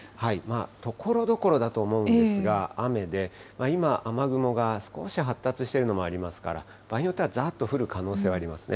ところどころだと思うんですが、雨で、今、雨雲が少し発達しているのもありますから、場合によってはざーっと降る可能性もありますね。